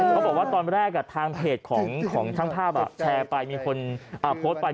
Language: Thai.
เขาบอกว่าตอนแรกทางเพจของช่างภาพแชร์ไปมีคนโพสต์ไป